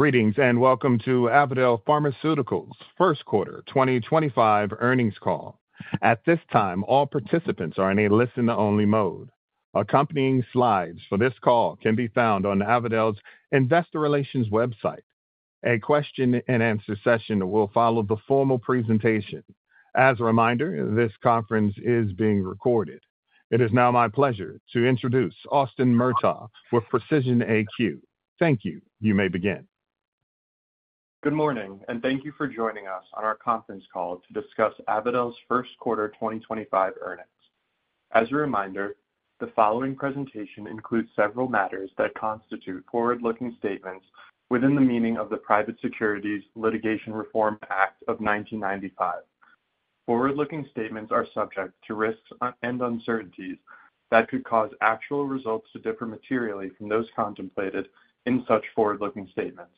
Greetings and welcome to Avadel Pharmaceuticals' first quarter 2025 earnings call. At this time, all participants are in a listen-only mode. Accompanying slides for this call can be found on Avadel's Investor Relations website. A question-and-answer session will follow the formal presentation. As a reminder, this conference is being recorded. It is now my pleasure to introduce Austin Murtagh with Precision AQ. Thank you. You may begin. Good morning, and thank you for joining us on our conference call to discuss Avadel's first quarter 2025 earnings. As a reminder, the following presentation includes several matters that constitute forward-looking statements within the meaning of the Private Securities Litigation Reform Act of 1995. Forward-looking statements are subject to risks and uncertainties that could cause actual results to differ materially from those contemplated in such forward-looking statements.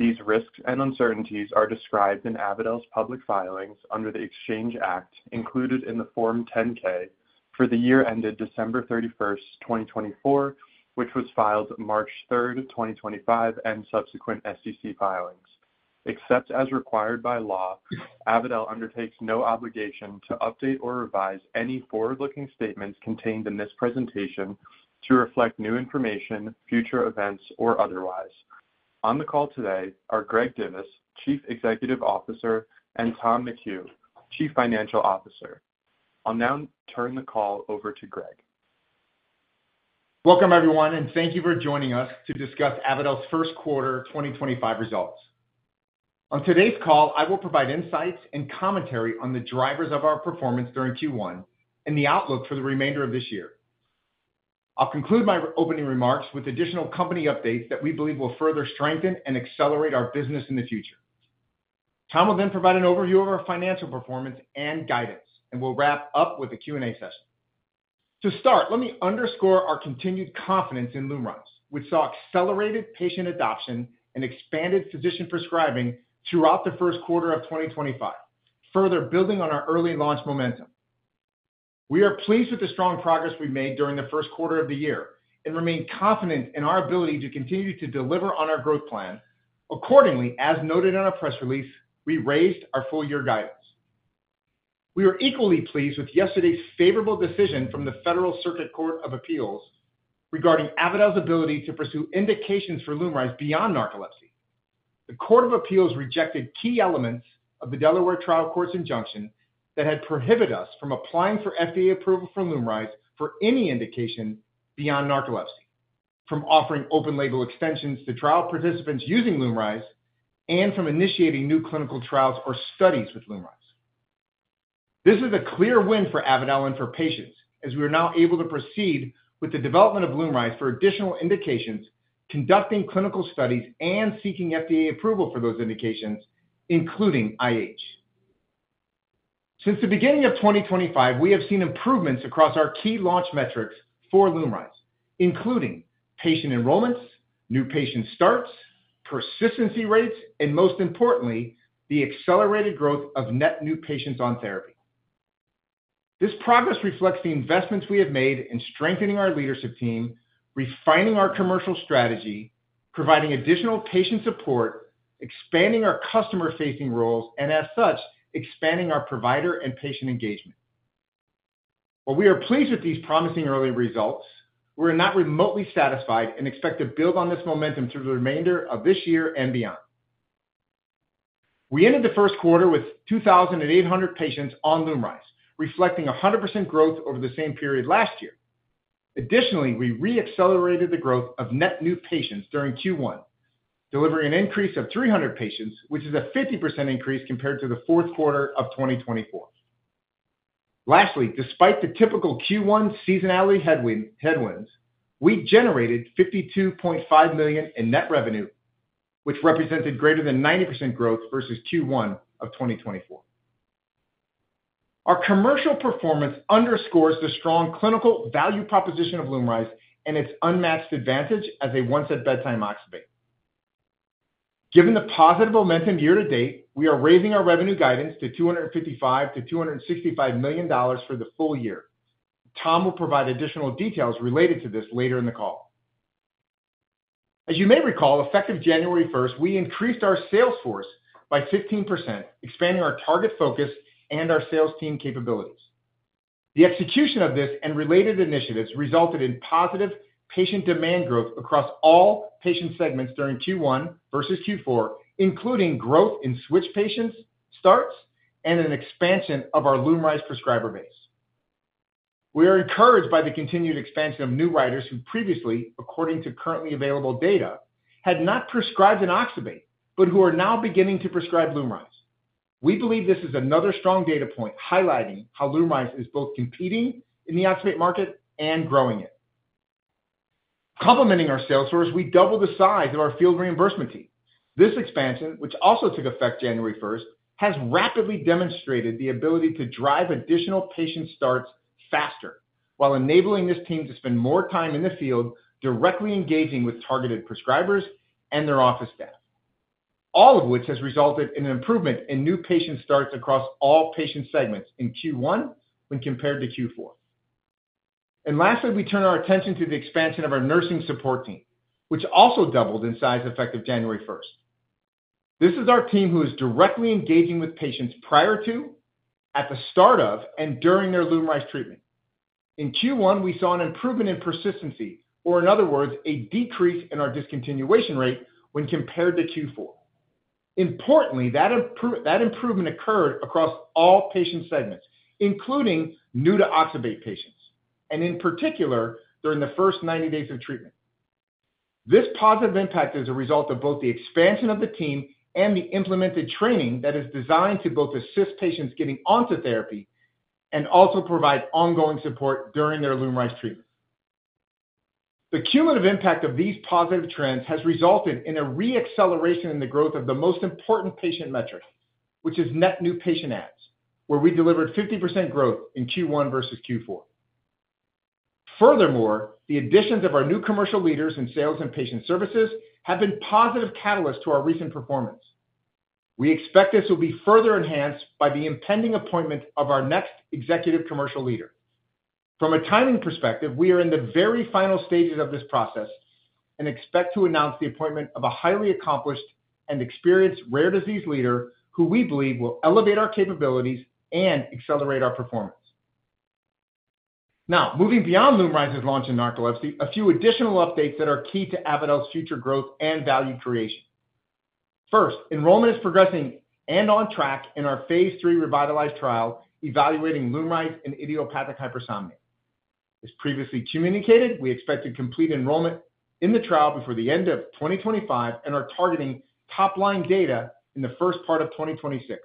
These risks and uncertainties are described in Avadel's public filings under the Exchange Act included in the Form 10-K for the year ended December 31st, 2024, which was filed March 3rd, 2025, and subsequent SEC filings. Except as required by law, Avadel undertakes no obligation to update or revise any forward-looking statements contained in this presentation to reflect new information, future events, or otherwise. On the call today are Greg Divis, Chief Executive Officer, and Tom McHugh, Chief Financial Officer. I'll now turn the call over to Greg. Welcome, everyone, and thank you for joining us to discuss Avadel's first quarter 2025 results. On today's call, I will provide insights and commentary on the drivers of our performance during Q1 and the outlook for the remainder of this year. I'll conclude my opening remarks with additional company updates that we believe will further strengthen and accelerate our business in the future. Tom will then provide an overview of our financial performance and guidance, and we'll wrap up with a Q&A session. To start, let me underscore our continued confidence in LUMRYZ, which saw accelerated patient adoption and expanded physician prescribing throughout the first quarter of 2025, further building on our early launch momentum. We are pleased with the strong progress we've made during the first quarter of the year and remain confident in our ability to continue to deliver on our growth plan. Accordingly, as noted in our press release, we raised our full-year guidance. We are equally pleased with yesterday's favorable decision from the Federal Circuit Court of Appeals regarding Avadel's ability to pursue indications for LUMRYZ beyond narcolepsy. The Court of Appeals rejected key elements of the Delaware Trial Court's injunction that had prohibited us from applying for FDA approval for LUMRYZ for any indication beyond narcolepsy, from offering open-label extensions to trial participants using LUMRYZ, and from initiating new clinical trials or studies with LUMRYZ. This is a clear win for Avadel and for patients, as we are now able to proceed with the development of LUMRYZ for additional indications, conducting clinical studies, and seeking FDA approval for those indications, including IH. Since the beginning of 2025, we have seen improvements across our key launch metrics for LUMRYZ, including patient enrollments, new patient starts, persistency rates, and most importantly, the accelerated growth of net new patients on therapy. This progress reflects the investments we have made in strengthening our leadership team, refining our commercial strategy, providing additional patient support, expanding our customer-facing roles, and as such, expanding our provider and patient engagement. While we are pleased with these promising early results, we are not remotely satisfied and expect to build on this momentum through the remainder of this year and beyond. We ended the first quarter with 2,800 patients on LUMRYZ, reflecting 100% growth over the same period last year. Additionally, we re-accelerated the growth of net new patients during Q1, delivering an increase of 300 patients, which is a 50% increase compared to the fourth quarter of 2024. Lastly, despite the typical Q1 seasonality headwinds, we generated $52.5 million in net revenue, which represented greater than 90% growth versus Q1 of 2023. Our commercial performance underscores the strong clinical value proposition of LUMRYZ and its unmatched advantage, as a once-at-bedtime oxybate. Given the positive momentum year to date, we are raising our revenue guidance to $255 million-$265 million for the full year. Tom will provide additional details related to this later in the call. As you may recall, effective January 1st, we increased our sales force by 15%, expanding our target focus and our sales team capabilities. The execution of this and related initiatives resulted in positive patient demand growth across all patient segments during Q1 versus Q4, including growth in switch patient starts and an expansion of our LUMRYZ prescriber base. We are encouraged by the continued expansion of new writers who previously, according to currently available data, had not prescribed an oxybate, but who are now beginning to prescribe LUMRYZ. We believe this is another strong data point highlighting how LUMRYZ is both competing in the oxybate market and growing it. Complementing our sales force, we doubled the size of our field reimbursement team. This expansion, which also took effect January 1st, has rapidly demonstrated the ability to drive additional patient starts faster while enabling this team to spend more time in the field directly engaging with targeted prescribers and their office staff, all of which has resulted in an improvement in new patient starts across all patient segments in Q1 when compared to Q4. Lastly, we turn our attention to the expansion of our nursing support team, which also doubled in size effective January 1st. This is our team who is directly engaging with patients prior to, at the start of, and during their LUMRYZ treatment. In Q1, we saw an improvement in persistency, or in other words, a decrease in our discontinuation rate when compared to Q4. Importantly, that improvement occurred across all patient segments, including new-to-oxybate patients, and in particular during the first 90 days of treatment. This positive impact is a result of both the expansion of the team and the implemented training that is designed to both assist patients getting onto therapy and also provide ongoing support during their LUMRYZ treatment. The cumulative impact of these positive trends has resulted in a re-acceleration in the growth of the most important patient metric, which is net new patient adds, where we delivered 50% growth in Q1 versus Q4. Furthermore, the additions of our new commercial leaders in sales and patient services have been positive catalysts to our recent performance. We expect this will be further enhanced by the impending appointment of our next executive commercial leader. From a timing perspective, we are in the very final stages of this process and expect to announce the appointment of a highly accomplished and experienced rare disease leader who we believe will elevate our capabilities and accelerate our performance. Now, moving beyond LUMRYZ's launch in narcolepsy, a few additional updates that are key to Avadel's future growth and value creation. First, enrollment is progressing and on track in our phase III REVITALYZ trial evaluating LUMRYZ in idiopathic hypersomnia. As previously communicated, we expect to complete enrollment in the trial before the end of 2025 and are targeting top-line data in the first part of 2026,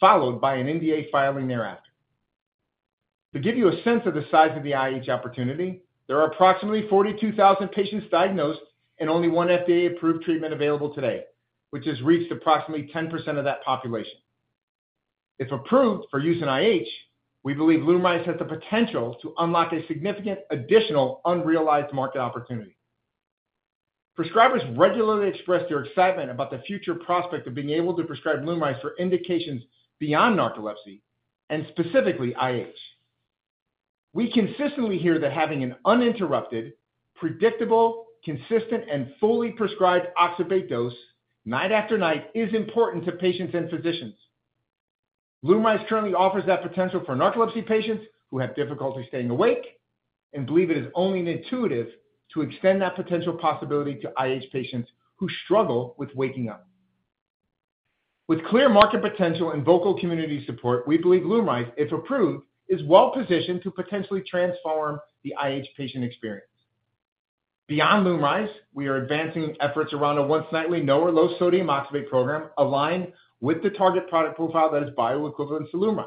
followed by an NDA filing thereafter. To give you a sense of the size of the IH opportunity, there are approximately 42,000 patients diagnosed and only one FDA-approved treatment available today, which has reached approximately 10% of that population. If approved for use in IH, we believe LUMRYZ has the potential to unlock a significant additional unrealized market opportunity. Prescribers regularly express their excitement about the future prospect of being able to prescribe LUMRYZ for indications beyond narcolepsy and specifically IH. We consistently hear that having an uninterrupted, predictable, consistent, and fully prescribed oxybate dose night after night is important to patients and physicians. LUMRYZ currently offers that potential for narcolepsy patients who have difficulty staying awake and believe it is only intuitive to extend that potential possibility to IH patients who struggle with waking up. With clear market potential and vocal community support, we believe LUMRYZ, if approved, is well-positioned to potentially transform the IH patient experience. Beyond LUMRYZ, we are advancing efforts around a once-nightly no or low-sodium oxybate program aligned with the target product profile that is bioequivalent to LUMRYZ.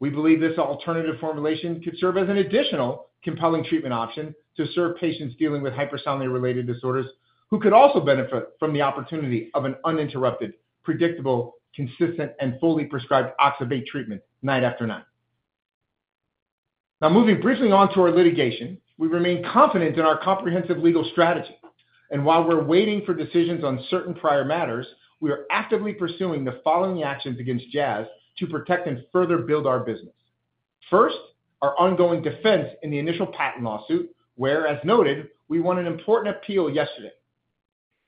We believe this alternative formulation could serve as an additional compelling treatment option to serve patients dealing with hypersomnia-related disorders who could also benefit from the opportunity of an uninterrupted, predictable, consistent, and fully prescribed oxybate treatment night after night. Now, moving briefly on to our litigation, we remain confident in our comprehensive legal strategy. While we are waiting for decisions on certain prior matters, we are actively pursuing the following actions against Jazz to protect and further build our business. First, our ongoing defense in the initial patent lawsuit, where, as noted, we won an important appeal yesterday.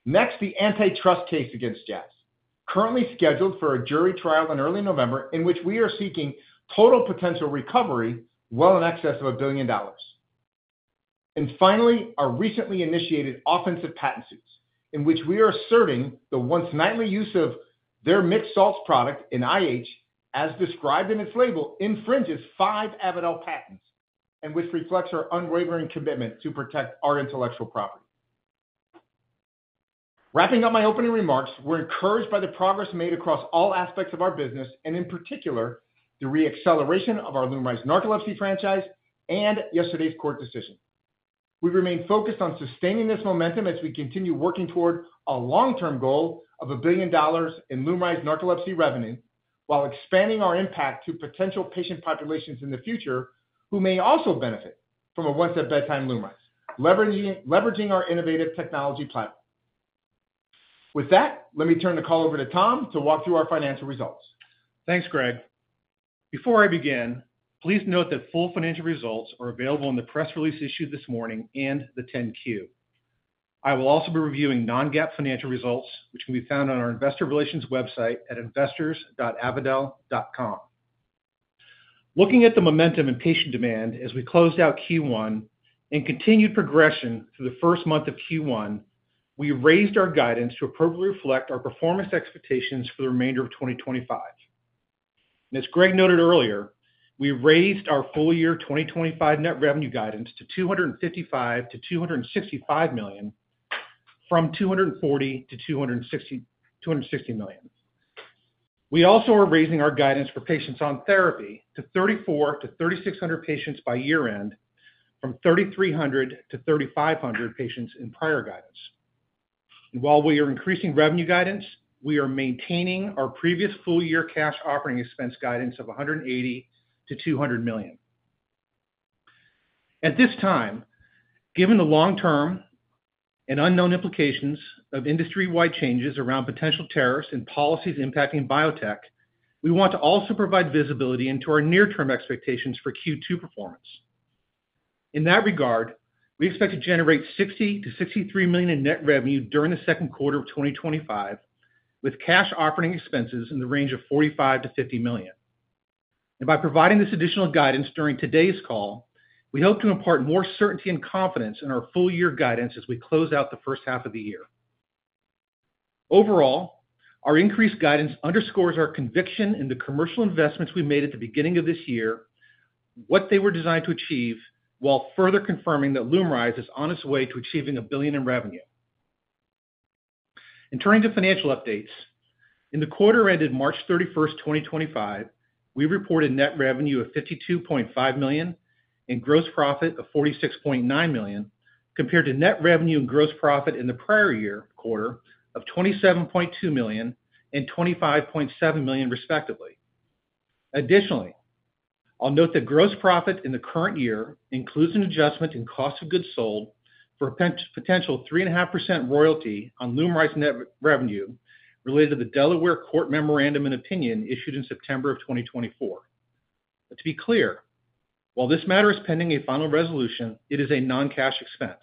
Next, the antitrust case against Jazz, currently scheduled for a jury trial in early November, in which we are seeking total potential recovery well in excess of $1 billion. Finally, our recently initiated offensive patent suits, in which we are asserting the once-nightly use of their mixed salts product in IH, as described in its label, infringes five Avadel patents, and which reflects our unwavering commitment to protect our intellectual property. Wrapping up my opening remarks, we're encouraged by the progress made across all aspects of our business, and in particular, the re-acceleration of our LUMRYZ narcolepsy franchise and yesterday's court decision. We remain focused on sustaining this momentum as we continue working toward a long-term goal of $1 billion in LUMRYZ narcolepsy revenue while expanding our impact to potential patient populations in the future who may also benefit from a once-at-bedtime LUMRYZ, leveraging our innovative technology platform. With that, let me turn the call over to Tom to walk through our financial results. Thanks, Greg. Before I begin, please note that full financial results are available in the press release issued this morning and the 10-Q. I will also be reviewing non-GAAP financial results, which can be found on our investor relations website at investors.avadel.com. Looking at the momentum in patient demand as we closed out Q1 and continued progression through the first month of Q2, we raised our guidance to appropriately reflect our performance expectations for the remainder of 2024. As Greg noted earlier, we raised our full-year 2025 net revenue guidance to $255 million-$265 million, from $240 million-$260 million. We also are raising our guidance for patients on therapy to 3,400-3,600 patients by year-end, from 3,300-3,500 patients in prior guidance. While we are increasing revenue guidance, we are maintaining our previous full-year cash operating expense guidance of $180 million-$200 million. At this time, given the long-term and unknown implications of industry-wide changes around potential tariffs and policies impacting biotech, we want to also provide visibility into our near-term expectations for Q2 performance. In that regard, we expect to generate $60 million-$63 million in net revenue during the second quarter of 2025, with cash operating expenses in the range of $45 million-$50 million. By providing this additional guidance during today's call, we hope to impart more certainty and confidence in our full-year guidance as we close out the first half of the year. Overall, our increased guidance underscores our conviction in the commercial investments we made at the beginning of this year, what they were designed to achieve, while further confirming that LUMRYZ is on its way to achieving $1 billion in revenue. Turning to financial updates, in the quarter ended March 31st, 2025, we reported net revenue of $52.5 million and gross profit of $46.9 million, compared to net revenue and gross profit in the prior year quarter of $27.2 million and $25.7 million, respectively. Additionally, I'll note that gross profit in the current year includes an adjustment in cost of goods sold for a potential 3.5% royalty on LUMRYZ net revenue related to the Delaware Court Memorandum of Opinion issued in September of 2024. To be clear, while this matter is pending a final resolution, it is a non-cash expense.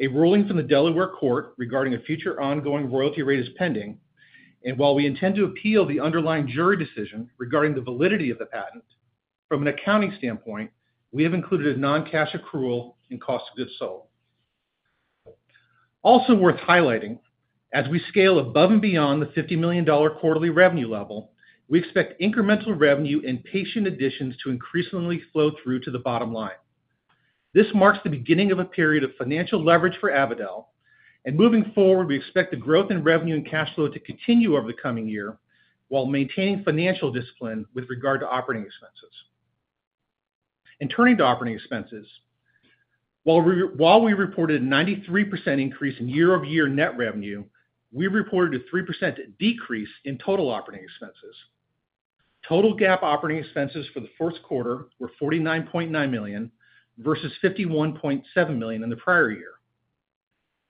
A ruling from the Delaware Court regarding a future ongoing royalty rate is pending, and while we intend to appeal the underlying jury decision regarding the validity of the patent, from an accounting standpoint, we have included a non-cash accrual in cost of goods sold. Also worth highlighting, as we scale above and beyond the $50 million quarterly revenue level, we expect incremental revenue and patient additions to increasingly flow through to the bottom line. This marks the beginning of a period of financial leverage for Avadel, and moving forward, we expect the growth in revenue and cash flow to continue over the coming year while maintaining financial discipline with regard to operating expenses. Turning to operating expenses, while we reported a 93% increase in year-over-year net revenue, we reported a 3% decrease in total operating expenses. Total GAAP operating expenses for the fourth quarter were $49.9 million versus $51.7 million in the prior year.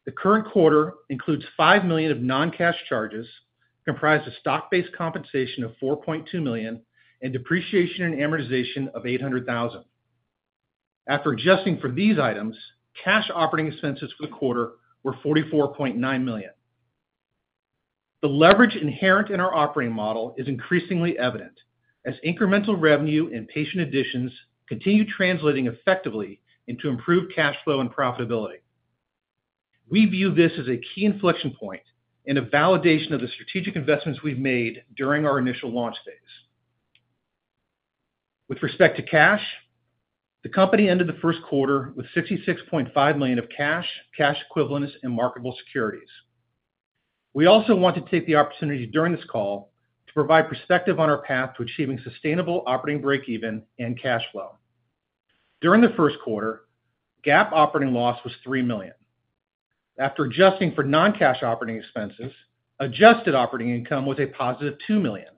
The current quarter includes $5 million of non-cash charges, comprised of stock-based compensation of $4.2 million, and depreciation and amortization of $800,000. After adjusting for these items, cash operating expenses for the quarter were $44.9 million. The leverage inherent in our operating model is increasingly evident as incremental revenue and patient additions continue translating effectively into improved cash flow and profitability. We view this as a key inflection point and a validation of the strategic investments we've made during our initial launch phase. With respect to cash, the company ended the first quarter with $66.5 million of cash, cash equivalents, and marketable securities. We also want to take the opportunity during this call to provide perspective on our path to achieving sustainable operating break-even and cash flow. During the first quarter, GAAP operating loss was $3 million. After adjusting for non-cash operating expenses, adjusted operating income was a positive $2 million,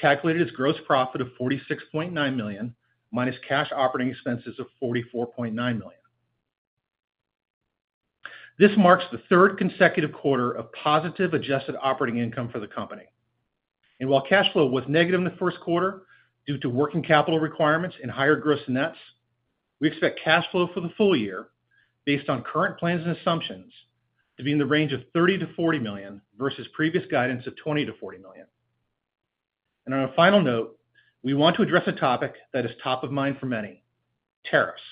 calculated as gross profit of $46.9 million minus cash operating expenses of $44.9 million. This marks the third consecutive quarter of positive adjusted operating income for the company. While cash flow was negative in the first quarter due to working capital requirements and higher gross-to-nets, we expect cash flow for the full year, based on current plans and assumptions, to be in the range of $30 million-$40 million versus previous guidance of $20 million-$40 million. On a final note, we want to address a topic that is top of mind for many: tariffs.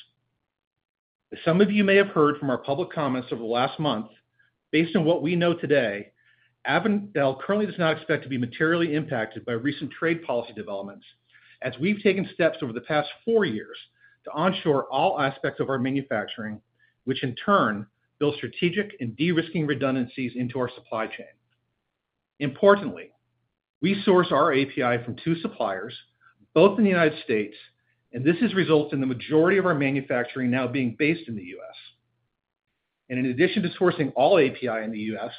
As some of you may have heard from our public comments over the last month, based on what we know today, Avadel currently does not expect to be materially impacted by recent trade policy developments, as we have taken steps over the past four years to onshore all aspects of our manufacturing, which in turn builds strategic and de-risking redundancies into our supply chain. Importantly, we source our API from two suppliers, both in the U.S., and this has resulted in the majority of our manufacturing now being based in the U.S. In addition to sourcing all API in the U.S.,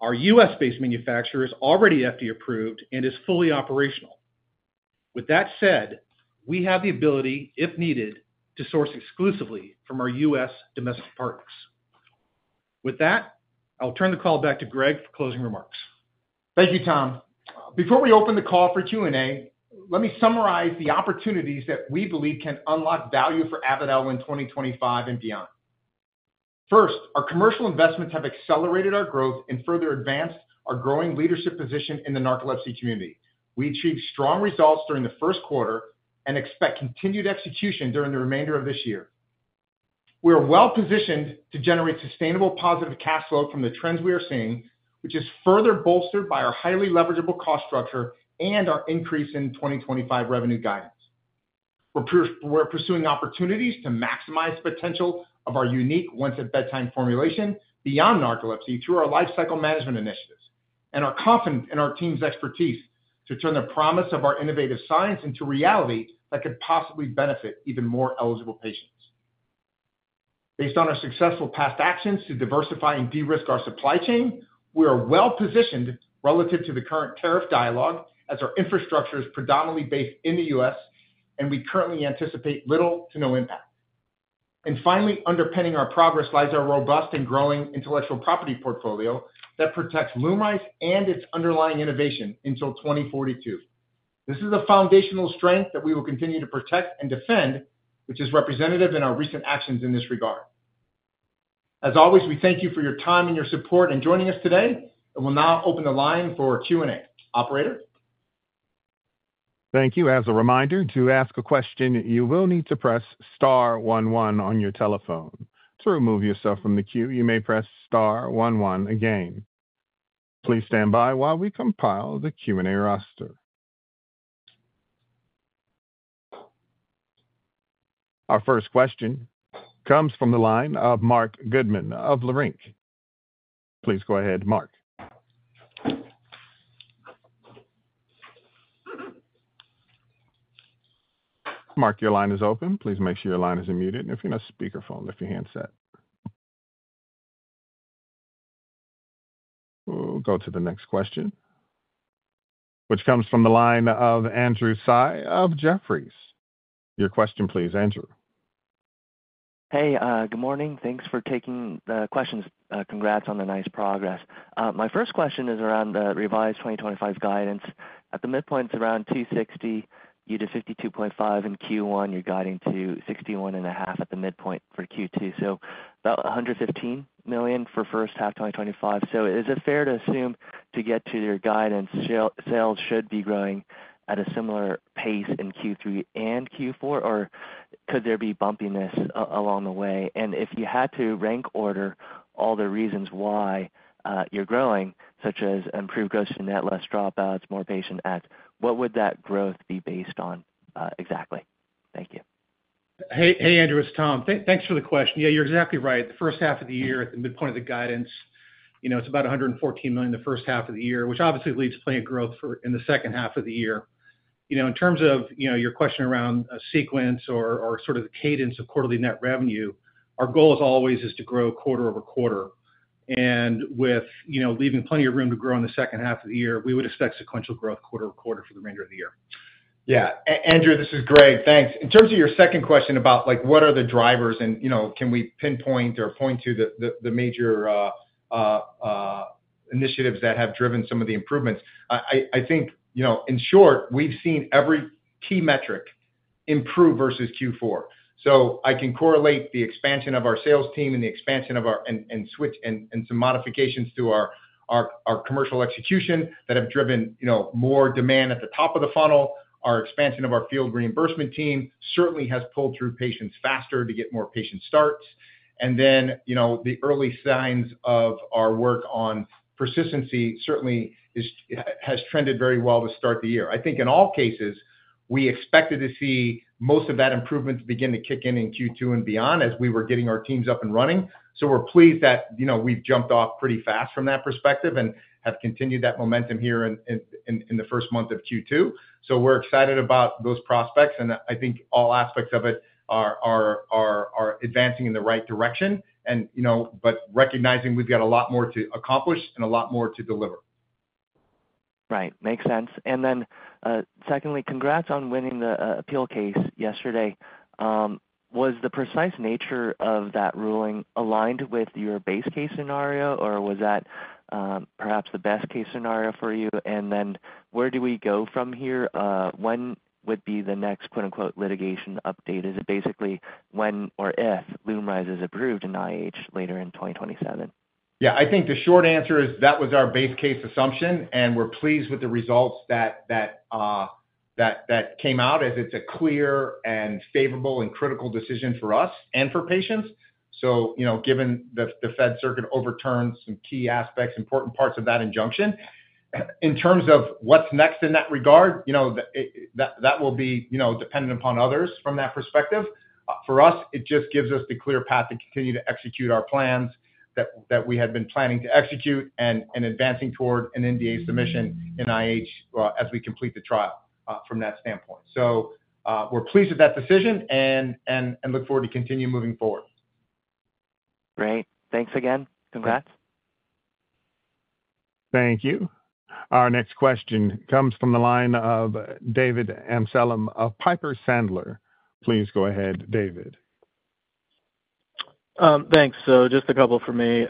our U.S.-based manufacturer is already FDA-approved and is fully operational. With that said, we have the ability, if needed, to source exclusively from our U.S. domestic partners. With that, I'll turn the call back to Greg for closing remarks. Thank you, Tom. Before we open the call for Q&A, let me summarize the opportunities that we believe can unlock value for Avadel in 2025 and beyond. First, our commercial investments have accelerated our growth and further advanced our growing leadership position in the narcolepsy community. We achieved strong results during the first quarter and expect continued execution during the remainder of this year. We are well-positioned to generate sustainable positive cash flow from the trends we are seeing, which is further bolstered by our highly leverageable cost structure and our increase in 2025 revenue guidance. We're pursuing opportunities to maximize the potential of our unique once-at-bedtime formulation beyond narcolepsy through our life cycle management initiatives and our team's expertise to turn the promise of our innovative science into reality that could possibly benefit even more eligible patients. Based on our successful past actions to diversify and de-risk our supply chain, we are well-positioned relative to the current tariff dialogue as our infrastructure is predominantly based in the U.S., and we currently anticipate little to no impact. Finally, underpinning our progress lies our robust and growing intellectual property portfolio that protects LUMRYZ and its underlying innovation until 2042. This is a foundational strength that we will continue to protect and defend, which is representative in our recent actions in this regard. As always, we thank you for your time and your support in joining us today. We will now open the line for Q&A. Operator? Thank you. As a reminder, to ask a question, you will need to press star one one on your telephone. To remove yourself from the queue, you may press star one one again. Please stand by while we compile the Q&A roster. Our first question comes from the line of Marc Goodman of Leerink. Please go ahead, Marc. Marc, your line is open. Please make sure your line is muted. If you're on a speakerphone, lift your hands up. We'll go to the next question, which comes from the line of Andrew Tsai of Jefferies. Your question, please, Andrew. Hey, good morning. Thanks for taking the questions. Congrats on the nice progress. My first question is around the revised 2025 guidance. At the midpoint, it's around $260 million, you did $52.5 million in Q1. You're guiding to $61.5 million at the midpoint for Q2. So about $115 million for the first half of 2025. Is it fair to assume to get to your guidance, sales should be growing at a similar pace in Q3 and Q4? Could there be bumpiness along the way? If you had to rank order all the reasons why you're growing, such as improved gross to net, less dropouts, more patient adds, what would that growth be based on exactly? Thank you. Hey, Andrew, it's Tom. Thanks for the question. Yeah, you're exactly right. The first half of the year, at the midpoint of the guidance, you know it's about $114 million the first half of the year, which obviously leads to plenty of growth in the second half of the year. You know, in terms of your question around a sequence or sort of the cadence of quarterly net revenue, our goal is always to grow quarter-over-quarter. With leaving plenty of room to grow in the second half of the year, we would expect sequential growth quarter-over-quarter for the remainder of the year. Yeah. Andrew, this is Greg. Thanks. In terms of your second question about what are the drivers, and can we pinpoint or point to the major initiatives that have driven some of the improvements, I think, in short, we've seen every key metric improve versus Q4. I can correlate the expansion of our sales team and some modifications to our commercial execution that have driven more demand at the top of the funnel. Our expansion of our field reimbursement team certainly has pulled through patients faster to get more patient starts. The early signs of our work on persistency certainly has trended very well to start the year. I think in all cases, we expected to see most of that improvement begin to kick in in Q2 and beyond as we were getting our teams up and running. We're pleased that we've jumped off pretty fast from that perspective and have continued that momentum here in the first month of Q2. We're excited about those prospects. I think all aspects of it are advancing in the right direction, but recognizing we've got a lot more to accomplish and a lot more to deliver. Right. Makes sense. Secondly, congrats on winning the appeal case yesterday. Was the precise nature of that ruling aligned with your base case scenario, or was that perhaps the best case scenario for you? Where do we go from here? When would be the next "litigation update"? Is it basically when or if LUMRYZ is approved in IH later in 2027? Yeah, I think the short answer is that was our base case assumption, and we're pleased with the results that came out as it's a clear and favorable and critical decision for us and for patients. Given the Fed Circuit overturned some key aspects, important parts of that injunction, in terms of what's next in that regard, that will be dependent upon others from that perspective. For us, it just gives us the clear path to continue to execute our plans that we had been planning to execute and advancing toward an NDA submission in IH as we complete the trial from that standpoint. We're pleased with that decision and look forward to continue moving forward. Great. Thanks again. Congrats. Thank you. Our next question comes from the line of David Amsellem of Piper Sandler. Please go ahead, David. Thanks. Just a couple for me.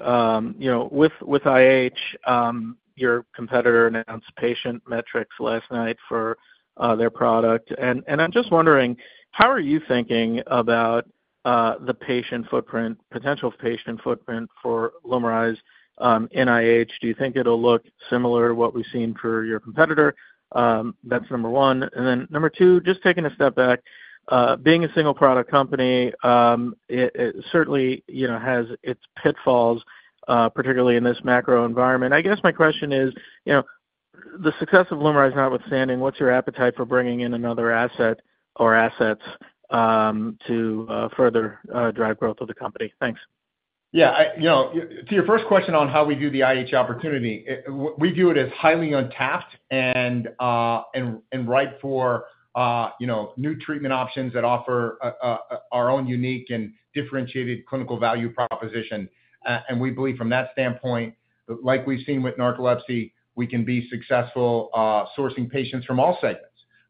With IH, your competitor announced patient metrics last night for their product. I'm just wondering, how are you thinking about the potential patient footprint for LUMRYZ in IH? Do you think it'll look similar to what we've seen for your competitor? That's number one. Number two, just taking a step back, being a single-product company, it certainly has its pitfalls, particularly in this macro environment. I guess my question is, the success of LUMRYZ notwithstanding, what's your appetite for bringing in another asset or assets to further drive growth of the company? Thanks. Yeah. To your first question on how we view the IH opportunity, we view it as highly untapped and ripe for new treatment options that offer our own unique and differentiated clinical value proposition. We believe from that standpoint, like we've seen with narcolepsy, we can be successful sourcing patients from all segments,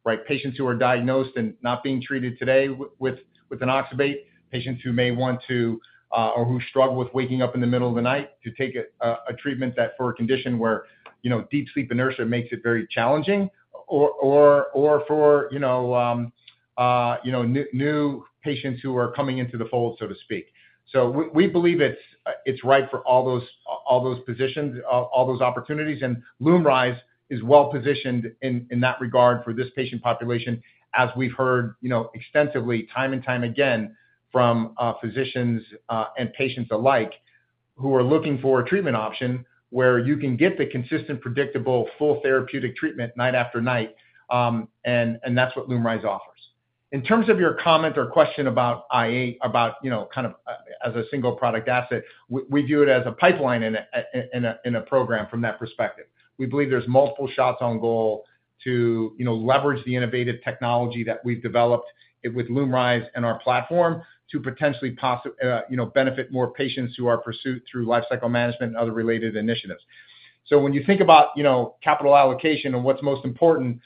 right? Patients who are diagnosed and not being treated today with an oxybate, patients who may want to, or who struggle with waking up in the middle of the night to take a treatment for a condition where deep sleep inertia makes it very challenging, or for new patients who are coming into the fold, so to speak. We believe it's ripe for all those positions, all those opportunities. LUMRYZ is well-positioned in that regard for this patient population, as we have heard extensively time and time again from physicians and patients alike who are looking for a treatment option where you can get the consistent, predictable, full therapeutic treatment night after night. That is what LUMRYZ offers. In terms of your comment or question about IH, kind of as a single-product asset, we view it as a pipeline in a program from that perspective. We believe there are multiple shots on goal to leverage the innovative technology that we have developed with LUMRYZ and our platform to potentially benefit more patients through our pursuit through life cycle management and other related initiatives. When you think about capital allocation and what is most important,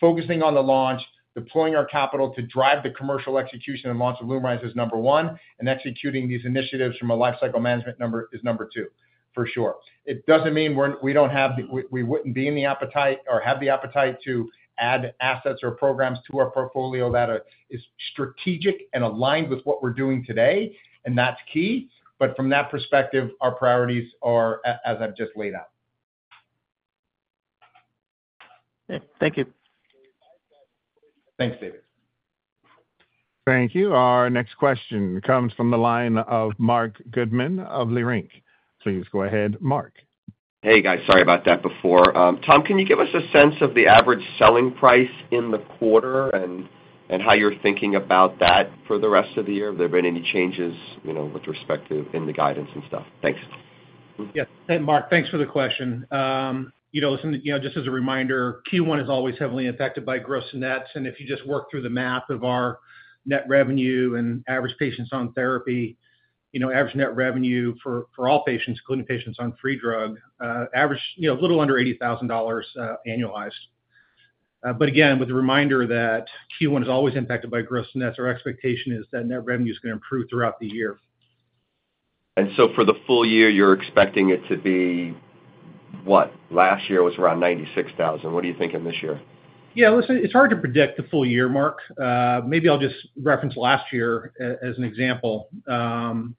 focusing on the launch, deploying our capital to drive the commercial execution and launch of LUMRYZ is number one. Executing these initiatives from a life cycle management number is number two, for sure. It does not mean we do not have the—we would not be in the appetite or have the appetite to add assets or programs to our portfolio that is strategic and aligned with what we are doing today. That is key. From that perspective, our priorities are, as I have just laid out. Thank you. Thanks, David. Thank you. Our next question comes from the line of Marc Goodman of Leerink. Please go ahead, Marc. Hey, guys. Sorry about that before. Tom, can you give us a sense of the average selling price in the quarter and how you're thinking about that for the rest of the year? Have there been any changes with respect to the guidance and stuff? Thanks. Yeah. Hey, Marc, thanks for the question. Just as a reminder, Q1 is always heavily impacted by gross nets. If you just work through the math of our net revenue and average patients on therapy, average net revenue for all patients, including patients on free drug, average a little under $80,000 annualized. Again, with the reminder that Q1 is always impacted by gross-to-nets, our expectation is that net revenue is going to improve throughout the year. For the full year, you're expecting it to be what? Last year was around $96,000. What are you thinking this year? Yeah. Listen, it's hard to predict the full year, Marc. Maybe I'll just reference last year as an example. From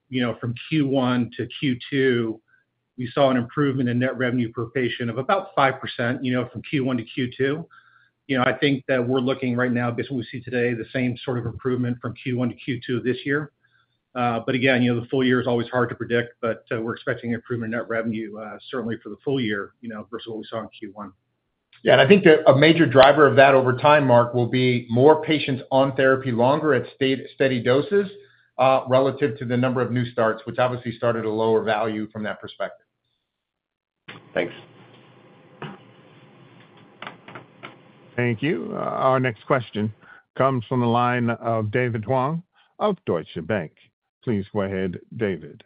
Q1 to Q2, we saw an improvement in net revenue per patient of about 5% from Q1 to Q2. I think that we're looking right now, based on what we see today, the same sort of improvement from Q1 to Q2 this year. Again, the full year is always hard to predict, but we're expecting an improvement in net revenue, certainly for the full year, versus what we saw in Q1. Yeah. I think a major driver of that over time, Marc, will be more patients on therapy longer at steady doses relative to the number of new starts, which obviously start at a lower value from that perspective. Thanks. Thank you. Our next question comes from the line of David Hoang of Deutsche Bank. Please go ahead, David.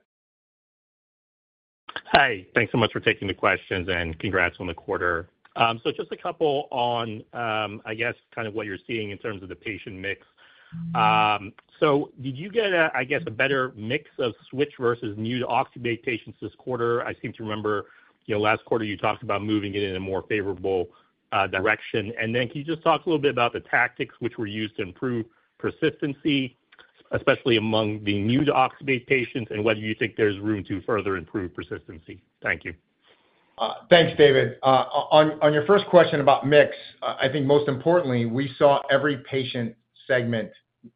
Hi. Thanks so much for taking the questions and congrats on the quarter. Just a couple on, I guess, kind of what you're seeing in terms of the patient mix. Did you get, I guess, a better mix of switch versus new to oxybate patients this quarter? I seem to remember last quarter you talked about moving it in a more favorable direction. Can you just talk a little bit about the tactics which were used to improve persistency, especially among the new to oxybate patients, and whether you think there's room to further improve persistency? Thank you. Thanks, David. On your first question about mix, I think most importantly, we saw every patient segment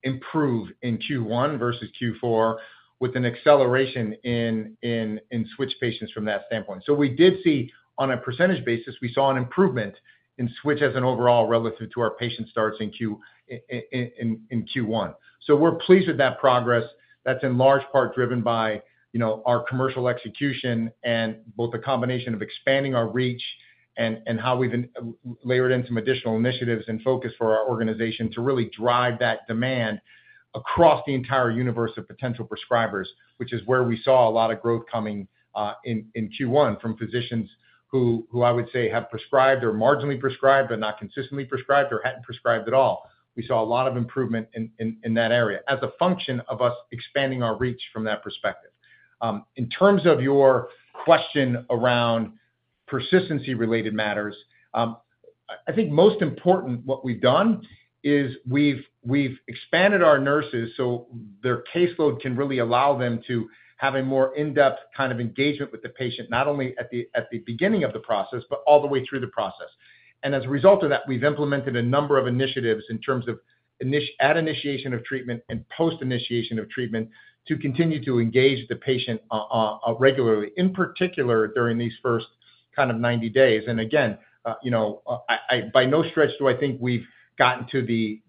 improve in Q1 versus Q4 with an acceleration in switch patients from that standpoint. We did see, on a percentage basis, an improvement in switch as an overall relative to our patient starts in Q1. We are pleased with that progress. That is in large part driven by our commercial execution and both the combination of expanding our reach and how we have layered in some additional initiatives and focus for our organization to really drive that demand across the entire universe of potential prescribers, which is where we saw a lot of growth coming in Q1 from physicians who, I would say, have prescribed or marginally prescribed but not consistently prescribed or had not prescribed at all. We saw a lot of improvement in that area as a function of us expanding our reach from that perspective. In terms of your question around persistency-related matters, I think most important what we've done is we've expanded our nurses so their caseload can really allow them to have a more in-depth kind of engagement with the patient, not only at the beginning of the process, but all the way through the process. As a result of that, we've implemented a number of initiatives in terms of at initiation of treatment and post-initiation of treatment to continue to engage the patient regularly, in particular during these first kind of 90 days. Again, by no stretch do I think we've gotten to the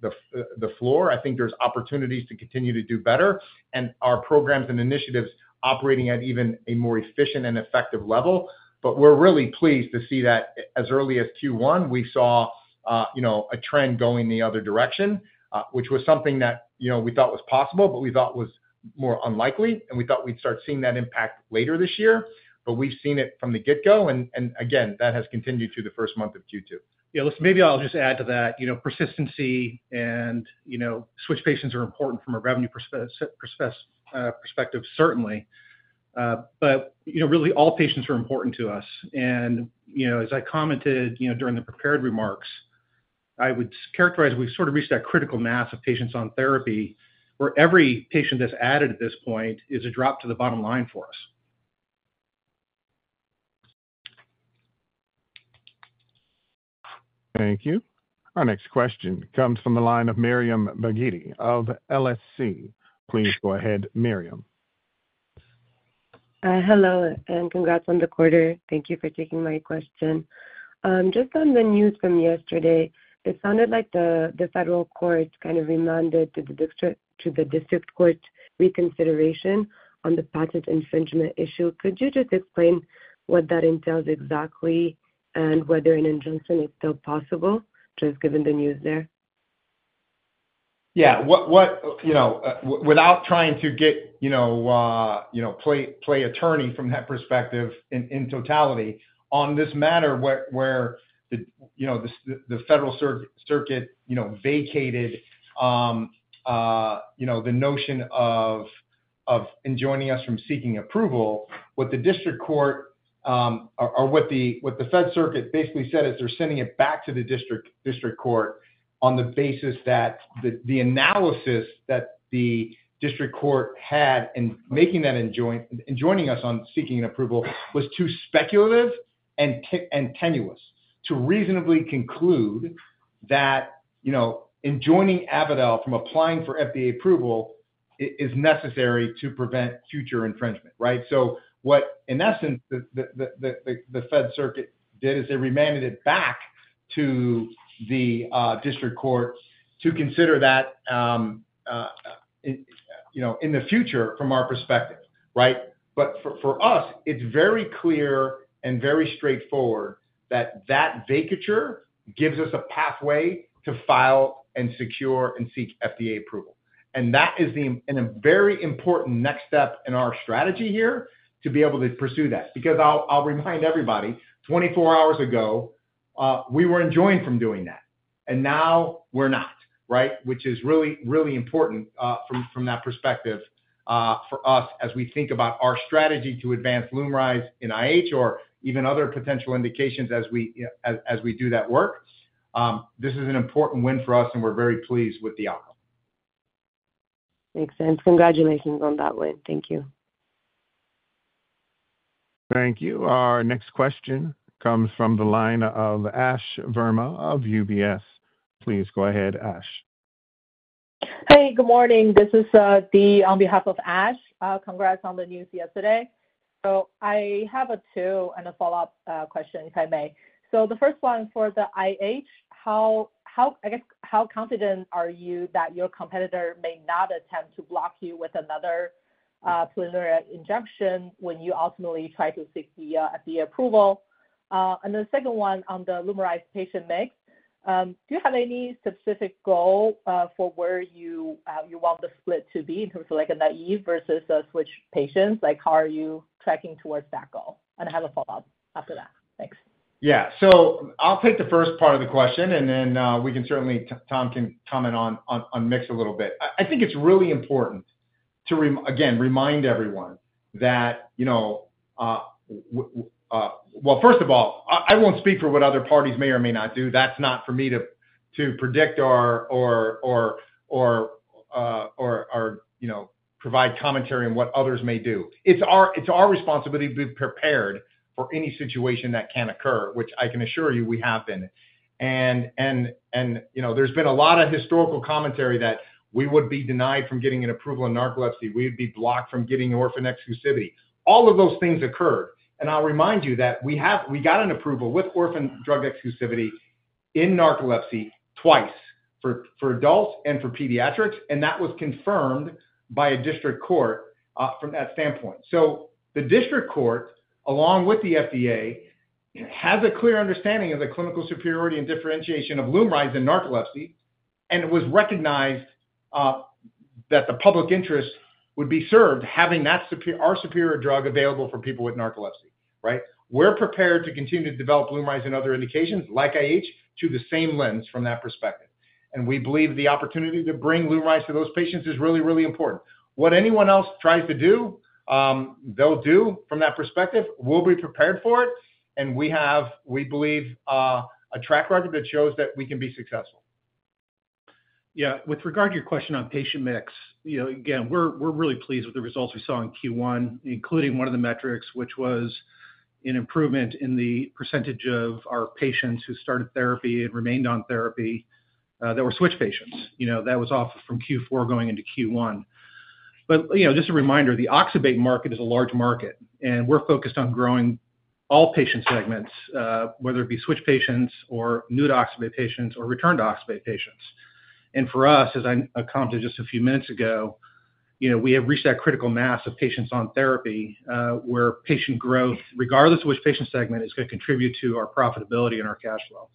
floor. I think there's opportunities to continue to do better and our programs and initiatives operating at even a more efficient and effective level. We're really pleased to see that as early as Q1, we saw a trend going the other direction, which was something that we thought was possible, but we thought was more unlikely. We thought we'd start seeing that impact later this year. We've seen it from the get-go. Again, that has continued through the first month of Q2. Yeah. Listen, maybe I'll just add to that. Persistency and switch patients are important from a revenue perspective, certainly. Really, all patients are important to us. As I commented during the prepared remarks, I would characterize we've sort of reached that critical mass of patients on therapy where every patient that's added at this point is a drop to the bottom line for us. Thank you. Our next question comes from the line of Myriam Belghiti of LSC. Please go ahead, Myriam. Hello, and congrats on the quarter. Thank you for taking my question. Just on the news from yesterday, it sounded like the federal court kind of remanded to the district court reconsideration on the patent infringement issue. Could you just explain what that entails exactly and whether an injunction is still possible, just given the news there? Yeah. Without trying to play attorney from that perspective in totality, on this matter where the Federal Circuit vacated the notion of enjoining us from seeking approval, what the district court or what the Fed Circuit basically said is they're sending it back to the district court on the basis that the analysis that the district court had in making that enjoining us on seeking approval was too speculative and tenuous to reasonably conclude that enjoining Avadel from applying for FDA approval is necessary to prevent future infringement, right? What, in essence, the Fed Circuit did is they remanded it back to the district court to consider that in the future from our perspective, right? For us, it's very clear and very straightforward that that vacatur gives us a pathway to file and secure and seek FDA approval. That is a very important next step in our strategy here to be able to pursue that. Because I'll remind everybody, 24 hours ago, we were enjoined from doing that. Now we're not, right? Which is really, really important from that perspective for us as we think about our strategy to advance LUMRYZ in IH or even other potential indications as we do that work. This is an important win for us, and we're very pleased with the outcome. Makes sense. Congratulations on that win. Thank you. Thank you. Our next question comes from the line of Ash Verma of UBS. Please go ahead, Ash. Hey, good morning. This is Dee on behalf of Ash. Congrats on the news yesterday. I have two and a follow-up question, if I may. The first one for the IH, I guess, how confident are you that your competitor may not attempt to block you with another preliminary injunction when you ultimately try to seek the FDA approval? The second one on the LUMRYZ patient mix, do you have any specific goal for where you want the split to be in terms of like a naive versus a switch patient? How are you tracking towards that goal? I have a follow-up after that. Thanks. Yeah. I'll take the first part of the question, and then Tom can comment on mix a little bit. I think it's really important to, again, remind everyone that, first of all, I won't speak for what other parties may or may not do. That's not for me to predict or provide commentary on what others may do. It's our responsibility to be prepared for any situation that can occur, which I can assure you we have been. There's been a lot of historical commentary that we would be denied from getting an approval in narcolepsy. We would be blocked from getting orphan exclusivity. All of those things occurred. I'll remind you that we got an approval with orphan drug exclusivity in narcolepsy twice for adults and for pediatrics. That was confirmed by a district court from that standpoint. The district court, along with the FDA, has a clear understanding of the clinical superiority and differentiation of LUMRYZ in narcolepsy. It was recognized that the public interest would be served having our superior drug available for people with narcolepsy, right? We're prepared to continue to develop LUMRYZ and other indications like IH through the same lens from that perspective. We believe the opportunity to bring LUMRYZ to those patients is really, really important. What anyone else tries to do, they'll do from that perspective. We'll be prepared for it. We believe a track record that shows that we can be successful. Yeah. With regard to your question on patient mix, again, we're really pleased with the results we saw in Q1, including one of the metrics, which was an improvement in the % of our patients who started therapy and remained on therapy that were switch patients. That was off from Q4 going into Q1. Just a reminder, the oxybate market is a large market. We're focused on growing all patient segments, whether it be switch patients or new to oxybate patients or returned to oxybate patients. For us, as I commented just a few minutes ago, we have reached that critical mass of patients on therapy where patient growth, regardless of which patient segment, is going to contribute to our profitability and our cash flow.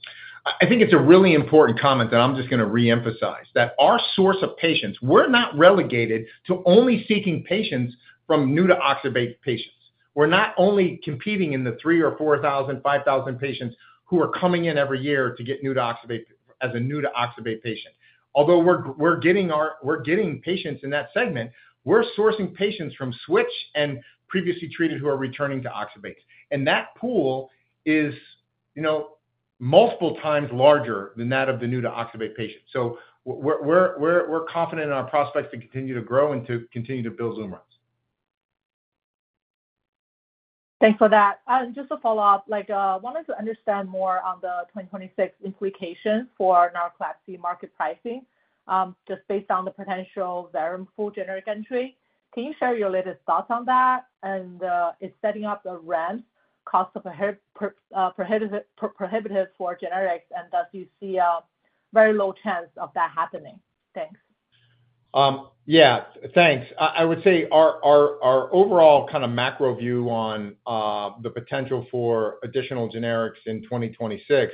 I think it's a really important comment that I'm just going to reemphasize that our source of patients, we're not relegated to only seeking patients from new to oxybate patients. We're not only competing in the 3,000 or 4,000, 5,000 patients who are coming in every year to get new to oxybate as a new to oxybate patient. Although we're getting patients in that segment, we're sourcing patients from switch and previously treated who are returning to oxybates. And that pool is multiple times larger than that of the new to oxybate patients. So we're confident in our prospects to continue to grow and to continue to build LUMRYZ. Thanks for that. Just to follow up, I wanted to understand more on the 2026 implications for narcolepsy market pricing, just based on the potential very poor generic entry. Can you share your latest thoughts on that and setting up the ramp cost of prohibitive for generics? Do you see a very low chance of that happening? Thanks. Yeah. Thanks. I would say our overall kind of macro view on the potential for additional generics in 2026,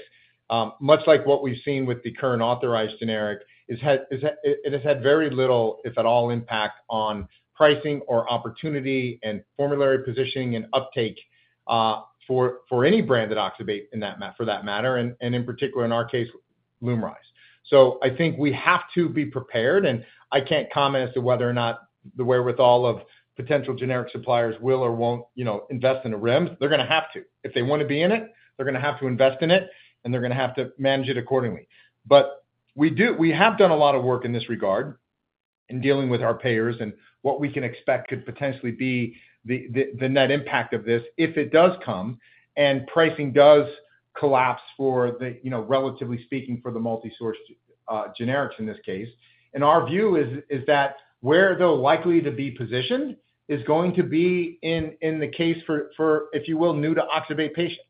much like what we've seen with the current authorized generic, it has had very little, if at all, impact on pricing or opportunity and formulary positioning and uptake for any branded oxybate for that matter, and in particular, in our case, LUMRYZ. I think we have to be prepared. I can't comment as to whether or not the wherewithal of potential generic suppliers will or won't invest in a ramp. They're going to have to. If they want to be in it, they're going to have to invest in it, and they're going to have to manage it accordingly. We have done a lot of work in this regard in dealing with our payers and what we can expect could potentially be the net impact of this if it does come and pricing does collapse for, relatively speaking, for the multi-source generics in this case. Our view is that where they are likely to be positioned is going to be in the case for, if you will, new to oxybate patients.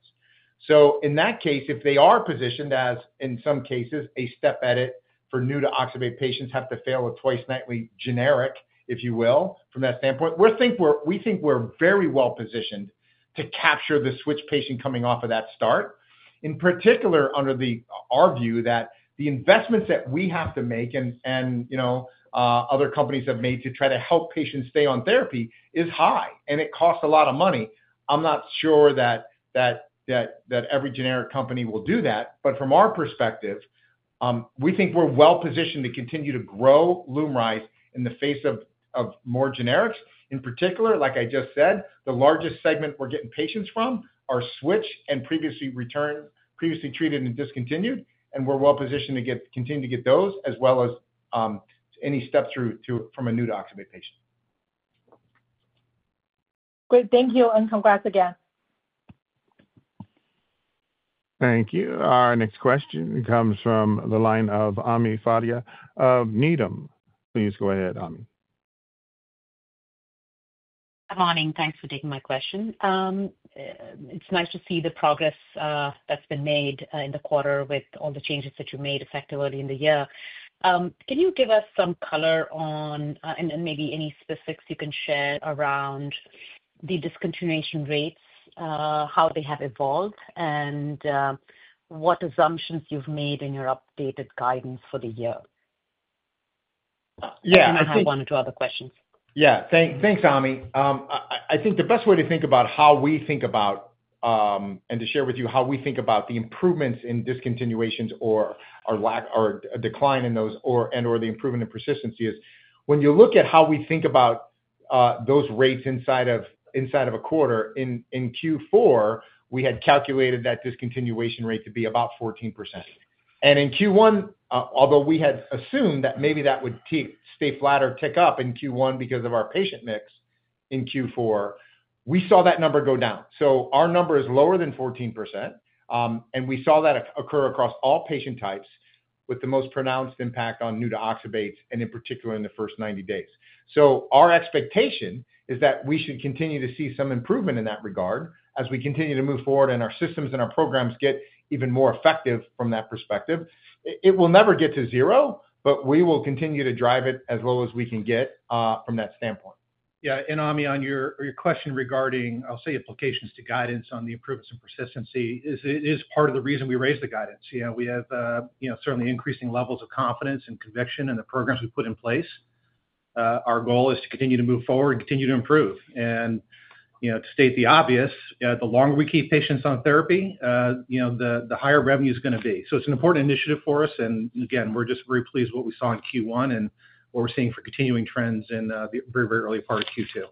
In that case, if they are positioned as, in some cases, a step edit for new to oxybate patients have to fail a twice-nightly generic, if you will, from that standpoint, we think we are very well positioned to capture the switch patient coming off of that start. In particular, under our view, the investments that we have to make and other companies have made to try to help patients stay on therapy is high, and it costs a lot of money. I'm not sure that every generic company will do that. From our perspective, we think we're well positioned to continue to grow LUMRYZ in the face of more generics. In particular, like I just said, the largest segment we're getting patients from are switch and previously treated and discontinued. We're well positioned to continue to get those as well as any step through from a new to oxybate patient. Great. Thank you. And congrats again. Thank you. Our next question comes from the line of Ami Fadia of Needham. Please go ahead, Ami. Good morning. Thanks for taking my question. It's nice to see the progress that's been made in the quarter with all the changes that you made effectively in the year. Can you give us some color on and maybe any specifics you can share around the discontinuation rates, how they have evolved, and what assumptions you've made in your updated guidance for the year? Yeah. I might move on to other questions. Yeah. Thanks, Ami. I think the best way to think about how we think about and to share with you how we think about the improvements in discontinuations or a decline in those and/or the improvement in persistency is when you look at how we think about those rates inside of a quarter, in Q4, we had calculated that discontinuation rate to be about 14%. In Q1, although we had assumed that maybe that would stay flat or tick up in Q1 because of our patient mix, in Q4, we saw that number go down. Our number is lower than 14%. We saw that occur across all patient types with the most pronounced impact on new to oxybates and, in particular, in the first 90 days. Our expectation is that we should continue to see some improvement in that regard as we continue to move forward and our systems and our programs get even more effective from that perspective. It will never get to zero, but we will continue to drive it as low as we can get from that standpoint. Yeah. Ami, on your question regarding, I'll say, implications to guidance on the improvements in persistency, it is part of the reason we raised the guidance. We have certainly increasing levels of confidence and conviction in the programs we put in place. Our goal is to continue to move forward and continue to improve. To state the obvious, the longer we keep patients on therapy, the higher revenue is going to be. It is an important initiative for us. Again, we're just very pleased with what we saw in Q1 and what we're seeing for continuing trends in the very, very early part of Q2.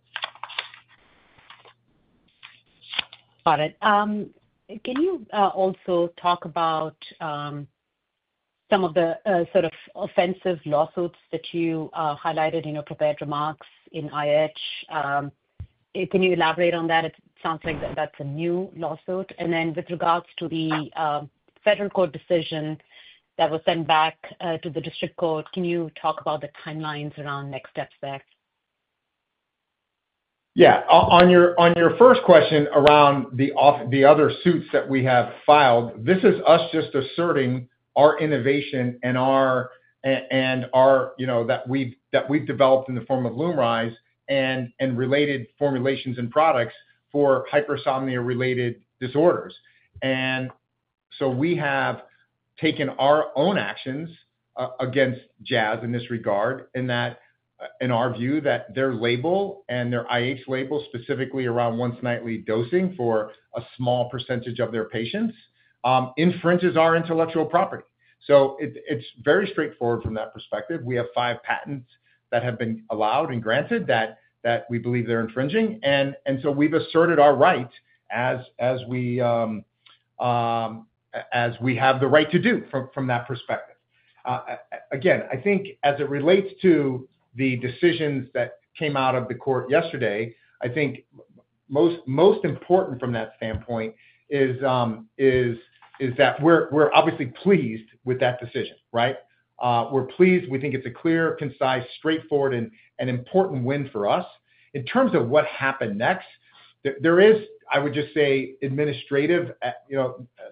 Got it. Can you also talk about some of the sort of offensive lawsuits that you highlighted in your prepared remarks in IH? Can you elaborate on that? It sounds like that's a new lawsuit. With regards to the federal court decision that was sent back to the district court, can you talk about the timelines around next steps there? Yeah. On your first question around the other suits that we have filed, this is us just asserting our innovation and our that we've developed in the form of LUMRYZ and related formulations and products for hypersomnia-related disorders. We have taken our own actions against Jazz in this regard in our view that their label and their IH label specifically around once-nightly dosing for a small percentage of their patients infringes our intellectual property. It is very straightforward from that perspective. We have five patents that have been allowed and granted that we believe they are infringing. We have asserted our right as we have the right to do from that perspective. Again, I think as it relates to the decisions that came out of the court yesterday, I think most important from that standpoint is that we are obviously pleased with that decision, right? We are pleased. We think it's a clear, concise, straightforward, and important win for us. In terms of what happens next, there is, I would just say, administrative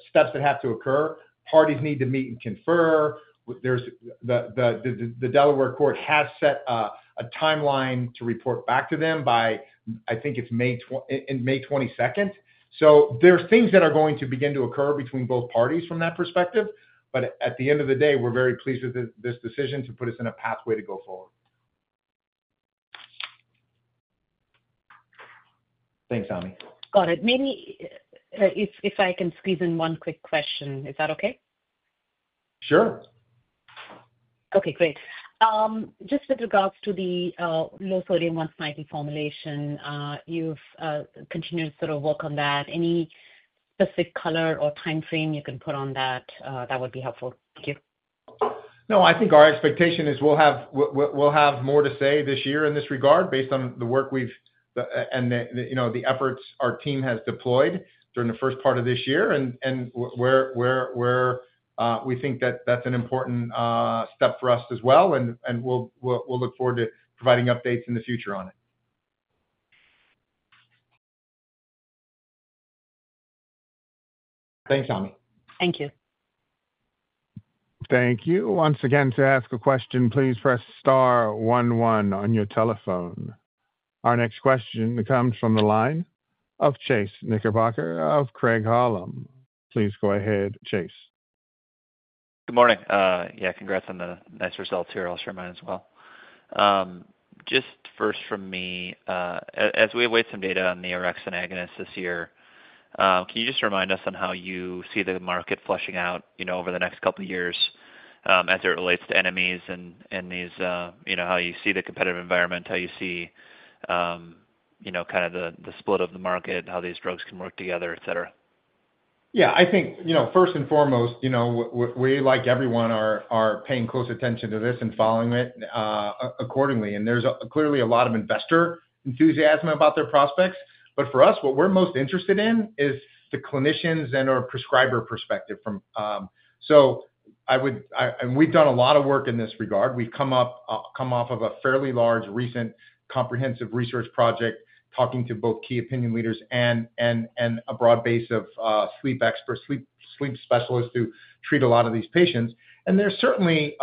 steps that have to occur. Parties need to meet and confer. The Delaware Court has set a timeline to report back to them by, I think it's May 22nd. There are things that are going to begin to occur between both parties from that perspective. At the end of the day, we're very pleased with this decision to put us in a pathway to go forward. Thanks, Ami. Got it. Maybe if I can squeeze in one quick question, is that okay? Sure. Okay. Great. Just with regards to the low-sodium once-nightly formulation, you've continued to sort of work on that. Any specific color or timeframe you can put on that? That would be helpful. Thank you. No, I think our expectation is we'll have more to say this year in this regard based on the work and the efforts our team has deployed during the first part of this year. We think that that's an important step for us as well. We'll look forward to providing updates in the future on it. Thanks, Ami. Thank you. Thank you. Once again, to ask a question, please press star one one on your telephone. Our next question comes from the line of Chase Knickerbocker of Craig-Hallum. Please go ahead, Chase. Good morning. Yeah. Congrats on the nice results here. I'll share mine as well. Just first from me, as we await some data on the orexin antagonist this year, can you just remind us on how you see the market flushing out over the next couple of years as it relates to NMEs and how you see the competitive environment, how you see kind of the split of the market, how these drugs can work together, etc.? Yeah. I think first and foremost, we, like everyone, are paying close attention to this and following it accordingly. There's clearly a lot of investor enthusiasm about their prospects. For us, what we're most interested in is the clinicians and/or prescriber perspective. We've done a lot of work in this regard. We've come off of a fairly large recent comprehensive research project talking to both key opinion leaders and a broad base of sleep experts, sleep specialists who treat a lot of these patients. There's certainly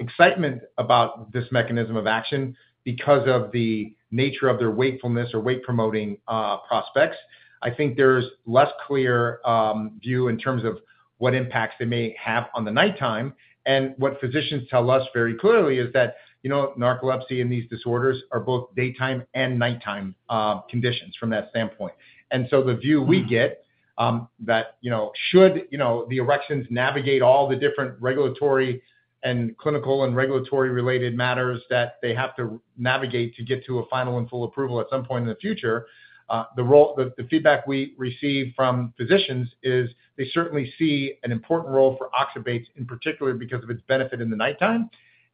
excitement about this mechanism of action because of the nature of their wakefulness or wake-promoting prospects. I think there's less clear view in terms of what impacts they may have on the nighttime. What physicians tell us very clearly is that narcolepsy and these disorders are both daytime and nighttime conditions from that standpoint. The view we get is that should the orexins navigate all the different regulatory and clinical and regulatory-related matters that they have to navigate to get to a final and full approval at some point in the future, the feedback we receive from physicians is they certainly see an important role for oxybates in particular because of its benefit in the nighttime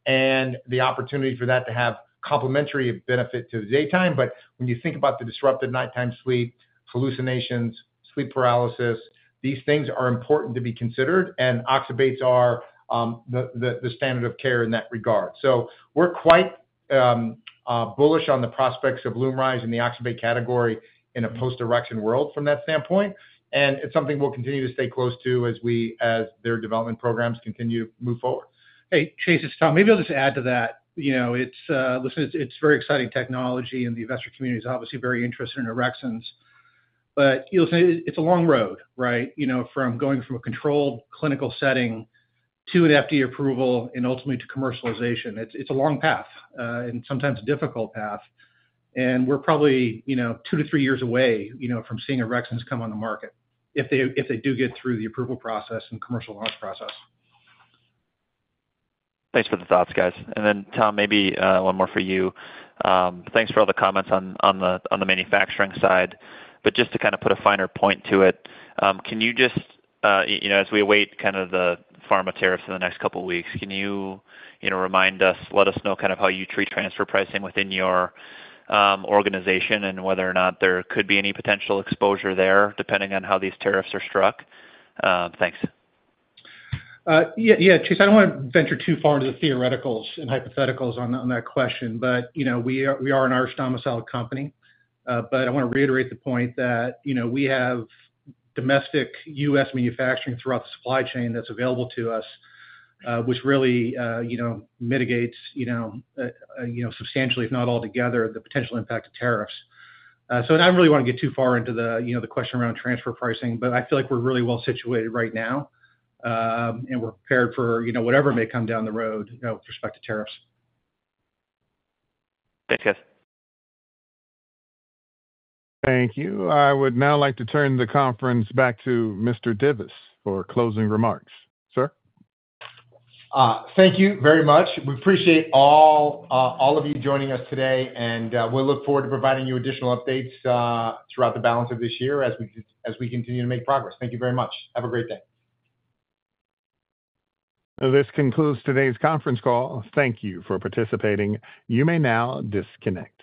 and the opportunity for that to have complementary benefit to the daytime. When you think about the disrupted nighttime sleep, hallucinations, sleep paralysis, these things are important to be considered. Oxybates are the standard of care in that regard. We are quite bullish on the prospects of LUMRYZ in the oxybate category in a post-orexin world from that standpoint. It is something we will continue to stay close to as their development programs continue to move forward. Hey, Chase, it's Tom. Maybe I'll just add to that. Listen, it's very exciting technology, and the investor community is obviously very interested in LUMRYZ. Listen, it's a long road, right, from going from a controlled clinical setting to an FDA approval and ultimately to commercialization. It's a long path and sometimes a difficult path. We're probably two to three years away from seeing LUMRYZ come on the market if they do get through the approval process and commercial launch process. Thanks for the thoughts, guys. Tom, maybe one more for you. Thanks for all the comments on the manufacturing side. Just to kind of put a finer point to it, can you just, as we await kind of the pharma tariffs in the next couple of weeks, can you remind us, let us know kind of how you treat transfer pricing within your organization and whether or not there could be any potential exposure there depending on how these tariffs are struck? Thanks. Yeah, Chase, I do not want to venture too far into the theoreticals and hypotheticals on that question. We are an Irish domiciled company. I want to reiterate the point that we have domestic U.S. manufacturing throughout the supply chain that is available to us, which really mitigates substantially, if not altogether, the potential impact of tariffs. I do not really want to get too far into the question around transfer pricing, but I feel like we are really well situated right now, and we are prepared for whatever may come down the road with respect to tariffs. Thanks, guys. Thank you. I would now like to turn the conference back to Mr. Divis for closing remarks. Sir? Thank you very much. We appreciate all of you joining us today, and we'll look forward to providing you additional updates throughout the balance of this year as we continue to make progress. Thank you very much. Have a great day. This concludes today's conference call. Thank you for participating. You may now disconnect.